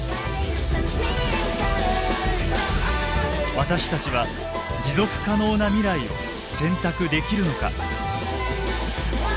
私たちは持続可能な未来を選択できるのか。